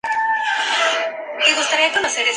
Desarrollo y especificaciones